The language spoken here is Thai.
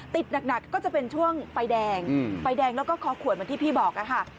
ติดหนักก็จะเป็นช่วงไฟแดงไฟแดงแล้วก็คอขวดเหมือนที่พี่บอกค่ะ